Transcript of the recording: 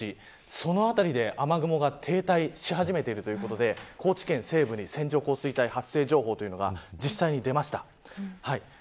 その辺りで、雨雲が停滞し始めているということで高知県西部に線状降水帯発生情報が実際に出ました。